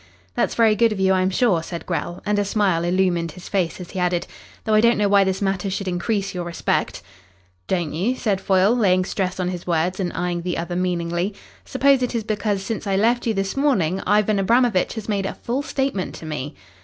"That's very good of you, I'm sure," said Grell, and a smile illumined his face as he added: "Though I don't know why this matter should increase your respect." "Don't you?" said Foyle, laying stress on his words and eyeing the other meaningly. "Suppose it is because since I left you this morning, Ivan Abramovitch has made a full statement to me?"